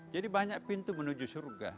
jadi banyak pintu menuju syurga